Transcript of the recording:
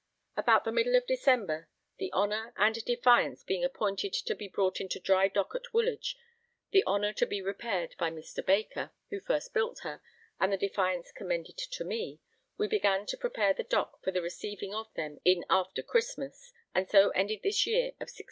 About the middle of December, the Honour and Defiance being appointed to be brought into dry dock at Woolwich, the Honour to be repaired by Mr. Baker, who first built her, and the Defiance commended to me, we began to prepare the dock for the receiving of them in after Christmas; and so ended this year of 1611.